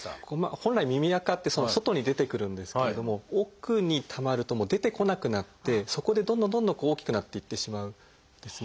本来耳あかって外に出てくるんですけれども奥にたまるともう出てこなくなってそこでどんどんどんどん大きくなっていってしまうんですね。